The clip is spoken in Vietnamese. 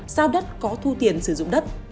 sao đất có thu tiền sử dụng đất